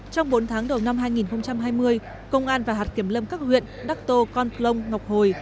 trong bốn tháng đầu năm hai nghìn hai mươi công an và hạt kiểm lâm các huyện đắc tô con plông ngọc hồi